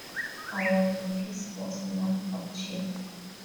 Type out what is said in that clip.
However, peace was not achieved.